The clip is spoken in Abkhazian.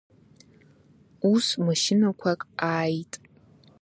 Ус машьынақәак ааит.